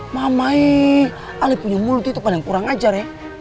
mamai ali punya mulut itu paling kurang ajar ya